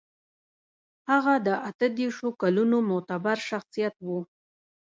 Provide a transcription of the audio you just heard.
هغه د اتو دېرشو کلونو معتبر شخصيت و.